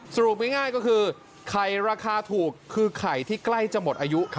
สรุปง่ายก็คือไข่ราคาถูกคือไข่ที่ใกล้จะหมดอายุ